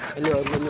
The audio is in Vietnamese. mày cố này